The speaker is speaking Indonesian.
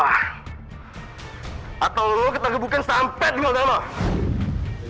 atau lo ketagih bukan sampet dengan lama